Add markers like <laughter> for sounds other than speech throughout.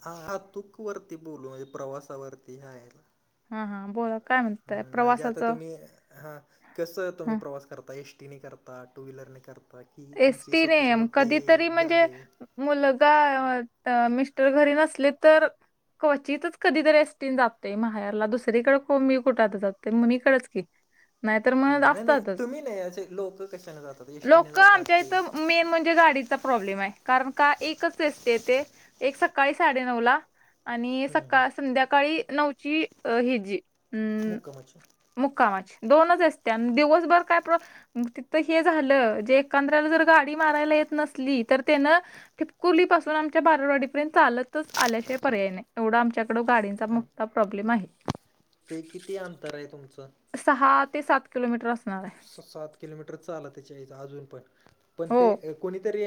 हा हा तूक वरती बोलू म्हणजे प्रवासावरती हा आहे ना हा हा बोला काय हं म्हणताय म्हणजे आता प्रवासाचं तुम्ही हा कसं तूम्ही हा प्रवास करता एस टी नी करता टू व्हीलरने करता बाकी तुमची एसटीने स्वतःची मोठी कधीतरी म्हणजे गाडी ए मुलगा ए वाटत मिस्टर घरी नसले तर क्वचितच कधी तर एसटीन जातंय माहेरला दुसरीकडे मी कुठता जाते मम्मीकडेचिकि हं नाही नाही तुम्ही नाही असे लोक कशाने जातात? एसटीने लोक जात आमच्या इथं मेन म्हणजे गाडीचा प्रॉब्लेम आहे, कारण का एकच एसटी येते. एक सकाळी साडेनऊ ला आणि हम्म, हम्म. सकाळ संध्याकाळी नऊची हेजी मुक्कामाच मुक्कामाची दोनच असते आणि दिवसभर काय प्र तिथं हे झालं जे कांद्र्याला जर गाडी मारायला येत नसली तर त्यान कुरलीपासून आमच्या बारारवाडीपर्यंत चालतच आल्याशिवाय पर्याय नाही. एवढा आमच्याकडं गाडींचा आणि मोठा प्रॉब्लेम आहे ते किती अंतर ए तुमचं सहा ते सात किलोमीटर असणार आहे. स-सात किलोमीटर चालत यायचं अजून पण, पण हो ते कोणीतरी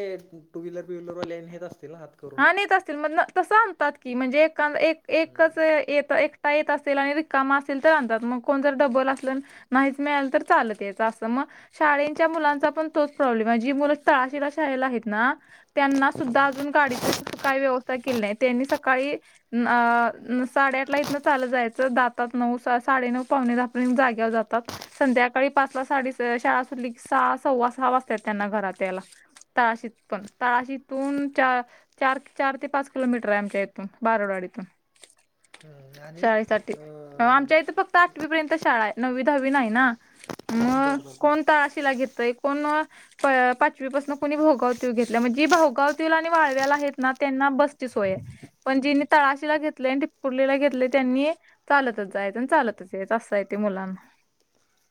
टू व्हीलर बि व्हीलरवाले नेत असतील ना आत? हा नेत असतील म तसं आणतात की म्हणजे एकच एक एकच येत एक स्वतः येत असेल आणि रिकामा असेल तर आणतात मग कोण जर डबल असल नाहीच मिळालं तर चालत यायचं. असं मग शाळेंच्या मुलांचा पण तोच प्रॉब्लेम आहे. जी मुलं तळाशीला शाळेला आहेत ना त्यांना सुद्धा अजून गाडीचे काही व्यवस्था केली नाय त्यांनी सकाळी अ साडेआठला इथनं चालत जायाचं, जातात नऊ साडेनऊ पावणे दहापर्यंत जागेवर जातात. संध्याकाळी पाचला साडी अ शाळा सुटली की सहा सव्वा सहा वाजत्याय त्यांना घरात यायला. तळाशीतपण, ‌तळाशीतून चा चार चार ते पाच किलोमीटर आहे आमच्या इथून बारडवाडी इतून हम्म, आणि शाळेसाठी अं, आमच्या इथं फक् आठवीपर्यंत शाळा आहे. नववी दहावी नाही ना, बरं मग बरं बरं कोण तळाशिला घेत एकूण प-पाचवी पासून कोणी भाऊगाव तीव घेतल्या म्हणजे भाऊगाव तीव आणि वाळव्याला आहेत. ना त्यांना बसची सोय आहे पण ज्यांनी तळाशीला घेतले आणि ठिकपुर्लीला घेतलंय त्यांनी चालतच जायचं आणि चालतच यायचं असं आहे ते मुलांन.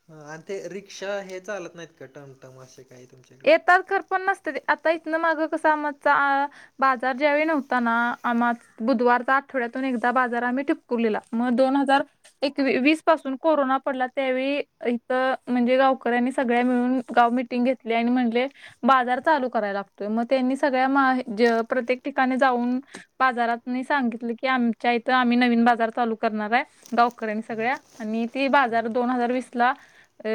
हा आणि ते रिक्षा हे चालत नाहीत का टमटम असे काही तुमचे येतात खरं पण नसत ते आता इथनं मागं कस आमचा. बाजार ज्यावे नव्हता ना आम्हाच बुधवारचा आठवड्यातून एकदा बाजार आम्ही टीप कुर्लीला, मग दोन हजार एकवी वीस पासून कोरोना पडला त्यावेळी इथ म्हणजे गावकऱ्यांनी सगळ्या मिळून. गाव मीटिंग घेतले आणि म्हटले. बाजार चालू करायला लागतोय, मग त्यांनी सगळ्या मा जे प्रत्येक ठिकाणी जाऊन. बाजारातनी सांगितलं की आमच्या इथं आम्ही नवीन बाजार चालू करणार आहे. गावकरऱ्यांनी सगळ्या आणि ते बाजार हम्म दोन हजार वीस ला.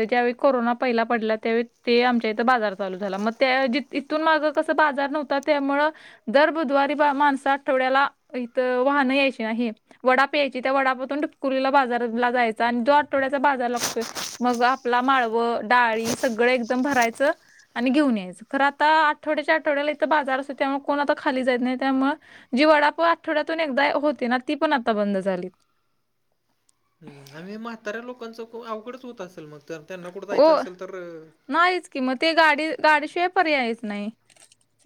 ज्यावेळी कोरोना पहिला पडला, त्यावेळी ते आमचे ते इथं बाजार चालू झाला मग त्या ऐवजी तिथून मागे कसा बाजार नव्हता त्यामुळे. दर बुधवारी बा माणसं आठवड्याला इथं वाहनं यायची नाही वडाप यायची त्या वडापातुन नुकुरीला बाजारला जायचा आणि जो आठवड्याचा बाजार लागतोय मग आपलं माळव डाळी सगळे एकदम भरायचं आणि घेऊन यायचं. खरं आता आठवड्याच्या आठवड्याला इथं बाजार असतो, त्यामुळे कोण आता खाली जात नाही त्यामुळ जी वडाप आठवड्यातून एकदा होती ना ती पण आता बंद झालीत आम्ही. म्हाताऱ्या लोकांचं अवघडच होत असेल, मग तर त्यांना कुठं हो जायचं असेल तर. नाहीच कि मग ते गाडी गाडी शिवाय पर्यायच नाही.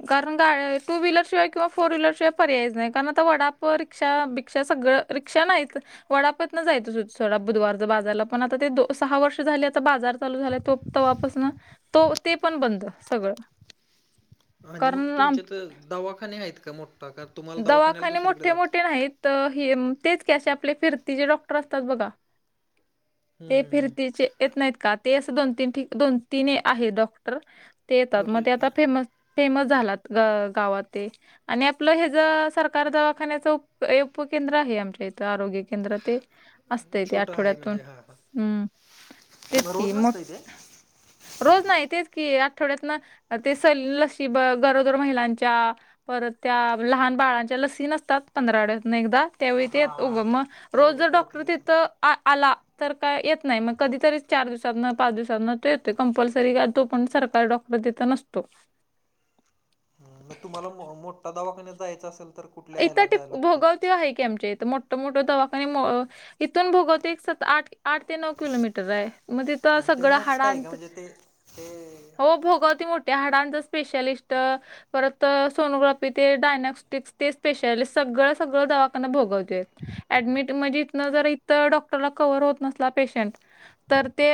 कारण गा टू व्हीलरशिवाय किंवा फोर व्हीलरशिवाय पर्यायच नाही कारण आता वडाप रिक्षा भिक्षा सगळं रिक्षा नाहीत वडापतनं जायचंड बुधवारच बाजारला पण आता ते दो सहा वर्ष झाल्यात. तो बाजार चालू झालाय तो तव्हापासन तो ते पण बंद सगळं आणि मग कारण आम तुमच्या तर दवाखाने आहेत का मोठा? का तुम्हाला दवाखान्याला दुसरीकडे जा तर हे तेच की आपले फिरतीचे डॉक्टर असतात बघा? हम्म ते हम्म हम्म फिरतीचे. येत नाहीत का? ते अस दोन तीन ठीक, दोन तीन आहेत डॉक्टर ते येतात मग ओके ते ओके आता फेम फेमस झाला ग-गावात ते आणि आपलं हे सरकार दवाखान्याच उप केंद्र आहे आमच्या इथं आरोग्य केंद्र ते असतय ते आठवड्यातून हम्म. तेच की दररोजच मोठ असतंय काय? रोज नाय तेच की आठवड्यातन ते सगळी लशी बघ गरोदर महिलांच्या परत त्या. लहान बाळांच्या लसी नसतात पंधरा डतन एकदा. त्यावेळी हां ते हां उगं मग रोज तेवढ्या जर पुरतं डॉक्टर देतात तिथं आ-आला तर काय येत नाही मग कधीतरी चार दिवसांना पाच दिवसांना तो येतो कंपल्सरी काय, तो पण सरकारी डॉक मग तिथं नसतो हम्म मग तुम्हाला मो-मोठा दवाखान्यात जायचं असेल तर. कुठल्या इथं ह्याला टप जायला लागते भोगवती आहे की आमच्या इथ मोठ मोठं दवाखाने इथून भोगवते एक सात, आठ आठ ते नऊ किलोमीटर आहे. मग तिथं आणि ते सगळं मोठं आहे का हाडांत म्हणजे ते ते हो भोगवती मोठ त्या हाडांच स्पेशलिस्ट परत सोनोग्राफी ते डायनॉस्टिकस. ते स्पेशलीट सगळं सगळं दवाखाना भोगवत ॲडमिट म्हणजे इथन जर तर डॉक्टरला कव्हर होत नसला पेशंट. तर ते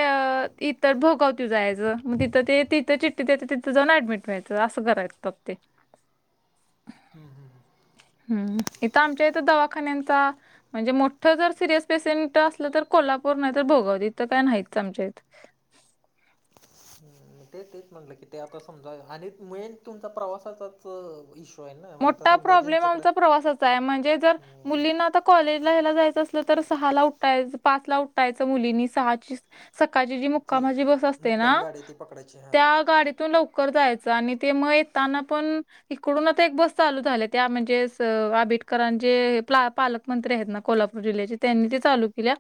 इतर भोगावती जायचं, मग तिथं ते तिथं चिठ्ठी देतं तिथं जाऊन ॲडमिट. नाहीतर असं करायचं तापते. हम्म इथं आमच्या इथं दवाखान्यांचा. म्हणजे मोठं जर सिरियस पेशंट असलं, तर कोल्हापूर नाही तर भोगवत इथ काही नाहीच आमच्या इथ. हम्म. ते तेच म्हटलं की ते आता समजा आणि मेन तुमचा प्रवासाचाच इशू मोठा प्रॉब्लेम आमचा प्रवासाचा आहे, म्हणजे जर हम्म, मुलींना आता कॉलेजला ह्यायला जायचं असलं तर, सहाला उठायचं पाचला उठायचं मुलींनी सहाचीस सकाळची जी ती मुक्कामाची बस असते ना, मुक्काम गाडी ती पकडायची हां त्या गाडीतून लवक कर जायच आणि ते म त्यांना पण इकडूनच. थ एक बस चालू झाली त्या म्हणजे आबेडकरां जे पालकमंत्री आहेत ना कोल्हापूर जिल्ह्याचे. त्यांनी ते चालू केल्या.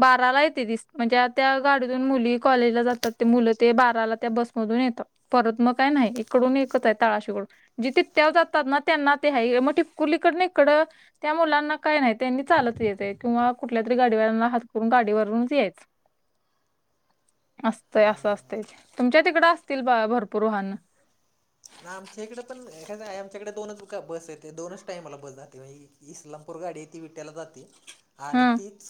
बाराला येते दिस म्हणजे त्या गाडीतून मुली कॉलेजला जातात, ते मुलं ते बाराला त्या बसमधून येतात. परत मग काय नाही, इकडून एकच आहे तळाशी कडून जिथे त्या जातात ना त्यांना ते हाय मग टिपकुलीकडन इकडं त्या मुलांना काय नाही, त्यांनी चालत यायचंय किंवा कुठल्या तरी गाडीवांल्याना हात करून गाडीवरूनच यायच. <inaudible> असतय असं असतंय ते, तुमच्या तिकडं असतील बघा भरपूर वाहनं. ना आमच्या इकडे पण कसाय आमच्याकडे दोनच बस येते दोनच टाईमाला बस जाते बाई. इस्लामपूर गाडी ती विट्याला जाते आणि हा तीच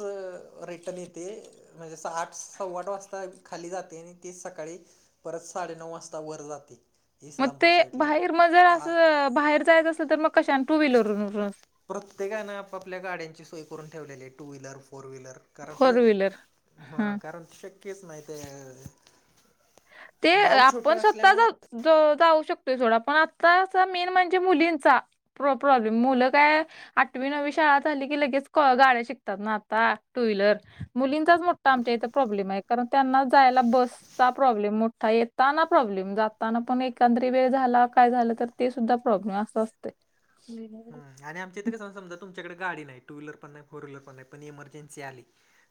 रिटर्न येते, म्हणजे आठ सव्वाठ वाजता खाली जाते आणि तेच सकाळी. परत साडेनऊ वाजता वर जाते. मग ते इस्लामपूर साईडला बाहेर मग जर आ असं बाहेर जायचं असल, तर मग कशा टू व्हीलर असं प्रत्येकानं आपापल्या गाड्यांची सोय करून ठेवलेली आहे टू व्हीलर फोर व्हीलर. कारण ते फोर व्हीलर ह हा कारण शक्यच नाही ते ते गाव आपण छोटं स्वतः असल्यामुळं जर. ज जाऊ शकतोय सोडा, पण आताचा मेन म्हणजे मुलींचा. प्र प्रॉब्लेम मुलं काय. आठवी नववी शाळा झाली की लगेच गाड्या शिकतात ना आता टू व्हीलर. मुलींचाच मोठा आमच्या इथे प्रॉब्लेम आहे कारण त्यांनाच जायला बसचा प्रॉब्लेम मोठा येताना, प्रॉब्लेम जाताना पण एकंदरी वेळ झाला काय झालं तर ते सुद्धा प्रॉब्लेम असं असत तय वेगळं जरी. हम्म आणि आमच्या इथं कस समजा तुमच्याकडे गाडी नाही टू व्हीलर पण नाही फोर व्हीलर नाही पण इमर्जनसी आली.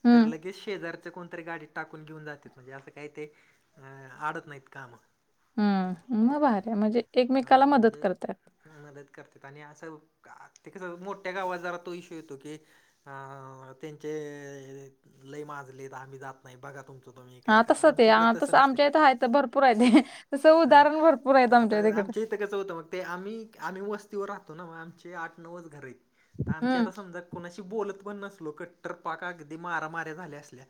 हम्म तर लगेच शेजार त्या कोणतरी गाडी टाकून घेऊन जातात म्हणजे असं काही ते आडत नाहीत काम. ह मग भारी आहे म्हणजे हा एकमेकाला मदत म्हणजे. करतात. मदत करते आणि असं ते कसं मोठ्या गावात जरा तो इश्यू येतो की. अ त्यांचे लय माजलेत आम्ही जात नाही बघा तुम स्वतःहून ही काय करा आमच्या इकडे तस नसते. त भरपूर आहेत तसं उदाहरण भरपूर आहे आमच्या तिकडे. ते कस होतं मग ते आम्ही आम्ही वस्तीवर राहतो ना मग आमचे आठ नऊच घर आहेत. तर आमची हं, आता समजा कोणाशी बोलत पण नसलो कट्टर पाक अगदी मारा माऱ्या झाल्या असल्या.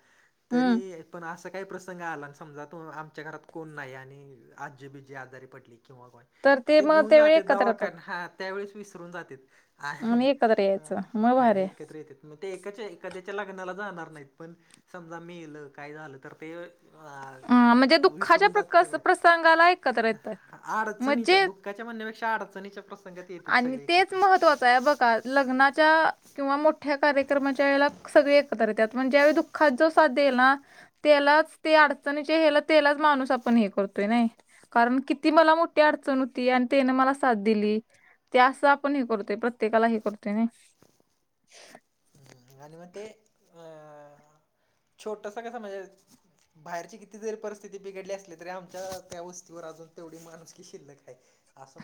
हं. तरी पण असं काही प्रसंग आला समजा तो आमच्या घरात कोण नाही आणि आजी बीजी आजारी पडली किंवा कोण, तर ते मग घेऊन त्यावेळी जाते एकत्र येतात दवाखान्या त्यावेळेस विसरून जातेत, आणि एकत्र यायचं. मग ह भारी आहे. एकत्र येतेत. मग ते एकाच्या एखाद्याच्या लग्नाला जाणार नाहीत पण समजा मेल काय झालं तर ते हा, विसरून जाते सगळ्या. सांगालाय. अडचणीच्या, दुःखाच्या म्हणण्यापेक्षा अडचणीच्या प्रसंगात येतेत सगळे एकत्र. हे बघा लग्नाच्या. किंवा मोठ्या कार्यक्रमाच्या वेळेला सगळे एकत्र येतात, पण ज्यावेळी दुःखात जो साथ देईल ना. त्यालाच ते अडचणीच्या हे त्यालाच माणूस आपण हे करतोय नाही कारण किती मला मोठी अडचण होती आणि त्याने मला साथ दिली. ते असं आपण हे करतोय प्रत्येकाला हे करतोय नाही. <inaudible> आणि मग ते अ छोटस कस म्हणजे. बाहेरची किती जरी परिस्थिती बिघडली असली, तरी आमच्या त्या वस्तीवर अजून तेवढी माणुसकी शिल्लक हाय.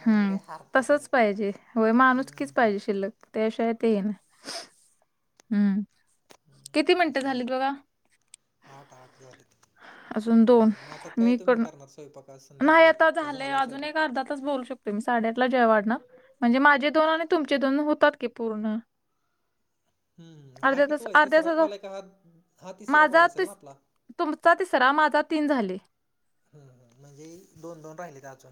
हम् तसच पाहिजे व्हय माणूसकीच हम्म पाहिजे शिल्लक त्याशिवाय ते हम्म किती मिनिटं असं आहे झालीत बघा. आठ आठ झालेत, अजून दोन मग आता मी काय तुम्ही इकडनं करणार स्वयंपाक आज? नाही संध्याकाळी आता का झालेय झालाय स्वयंपाक? अजूनही अर्धा आाता बोलू शकतोय मी साडेआठला जयवाड ना म्हणजे माझे दोन आणि तुमचे दोन होतात की पूर्ण. हम्म हा अर्ध्या तास कितवा आहे अर्ध्या तिसरा तास कॉल आहे का हा हा तिसरा कॉल माझा असेल ना तिस- आपला. तुमचा तिसरा माझा तीन झाले. हम्म. हम्म. म्हणजे दोन दोन राहिले ते अजून.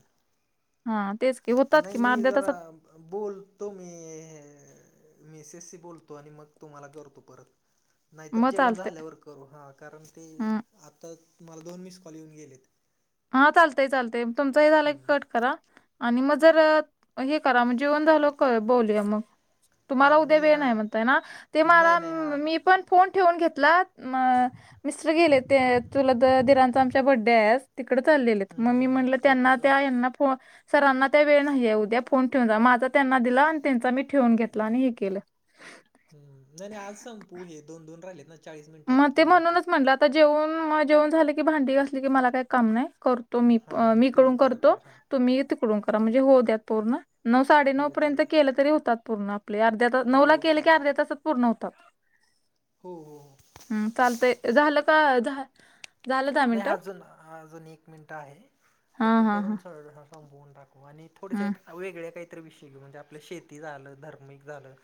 हा तेच की होतात की नाही म मी अर्ध्या जरा तासात. बोलतो मी मिसेस शी बोलतो आणि मग तुम्हाला करतो परत. नाहीतर मग जेवण चालतंय झाल्यावर करू हा कारण ते हम्म. आता तुम्हाला दोन मिस कॉल येऊन गेलेत. हा. चालतय चालतय तुमच हे झालंय की हम्म. कट करा. आणि मग जर हे करा जेवन झाल्या बोलूया मग. तुम्हाला हां उद्या मी वेळ नाही हां म्हणतय ना ते मला नाही नाही हां मी पण. फोन ठेवून घेतलात मिस्टर गेले ते चुलत दिरांचा आमच्या बड्डे आहे आज. तिकडे चाललेले मी म्हटलं हम्म ओके त्यांना ओके त्या यांना फोन. सरांना त्या वेळ नाहीये उद्या फोन ठेवून जा. माझ त्यांना दिला आणि त्यांचा मी ठेवून घेतला आणि हे केलं. हम्म नाही नाही आज संपू हे दोन, दोन राहिलेत ना चाळीस मग मिनिटात ते होऊन जातील. म्हणूनच म्हटलं आता जेवून मग जेवून झाले की भांडी घासली की असली की मला काही काम नाही करू. तो मी हां मग मी तुम्ही कडून करा करतो कॉल हां तुम्ही तिकडून करा म्हणजे होऊ द्यात पूर्ण. नऊ, साडे नऊ हो पर्यंत चालतं आहे केलं तरी होतात पूर्ण आपले. अर्ध्या तास हो नऊ ला हो केले की चालतं आहे अर्ध्या तासात पूर्ण होतात. हो हो हो. हम्म चालतय झालं का झ नाही अ अजून अजून एक मिनटं आहे तर ते हां हां हां करून स स संपवून टाकू आणिल. हं थोडश्यात वेगळ्या काहीतरी विषयी म्हणजे आपलं शेती झालं धार्मिक झालं.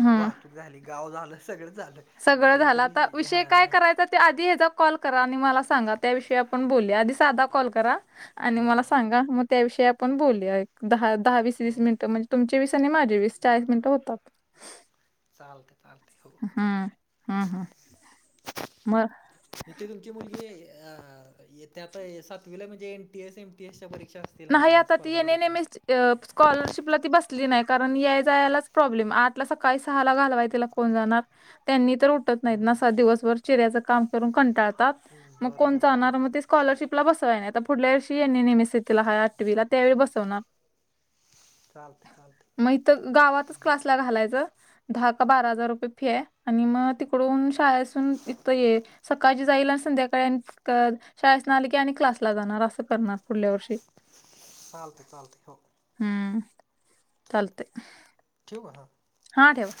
हं वाहतूक झाली गाव झालं, सगळं झालं. सगळं झालं, आता काहीतरी विषय काय हा करायचा ते आधी ह्याचा कॉल करा आणि मला सांगा त्या विषयी आपण बोलूया आधी साधा कॉल करा आणि मला सांगा मग त्याविषयी आपण बोलूया एक दहा, दहा वीस, हो वीस मिनिटं म्हणजे तुमचे वीस आणि माझे वीस चाळीस मिनटं होतात. चालतंय चालतंय हो. हो हम्म, हम्म हम्म मग. ती तुमची मुलगी अ. ती आता सातवीला म्हणजे एनटी एस एमटी एसच्या परीक्षा अस नाही आत ते एन. एन एम एस चीु स्कॉलरशिपला ती बसली नाही कारण या जायलाच प्रॉब्लेम आठला सकाळी सहाला घालवाय तिला कोण जाणार. त्यांनी तर उठत नाहीत न सा दिवसभर चेऱ्याच काम करून कंटाळतात. मग, बरोबर कोण बरोबर जाणार मग ते स्कॉलरशिपला बसवाय नाही आता पुढल्या वर्षीे एन एन एम सी. त्याला हाय आठवी ला त्यावेळी बसवणार. चालतंय चालतंय. मग इथ, गावातच क्लासला घालायचं, दहा का बारा हजार रुपये फी आहे. आणि मग तिकडून शाळेसून इथं ये सकाळ जाईल आज आणि संध्याकाळी शाळेसंन आलंक की आणि क्लासला जाणार असं करणार पुुढल्या वर्षी. चालते चालते हो. हम्म चालतंय. ठेवू का हा. हा ठेवा.